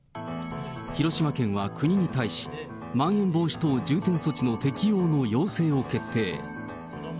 広島県は国に対し、まん延防止等重点措置の適用の要請を決定。